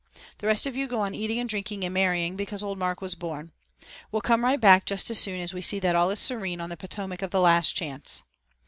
The rest of you go on eating, drinking and merrying because old Mark was born. We'll come right back just as soon as we see that all is serene on the Potomac of the Last Chance."